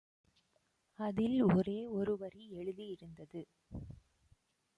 அதில் ஒரே ஒருவரி எழுதியிருந்தது.